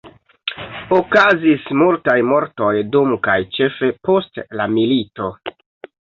Okazis multaj mortoj dum kaj ĉefe post la milito.